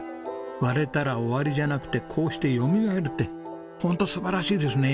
割れたら終わりじゃなくてこうしてよみがえるってホント素晴らしいですね。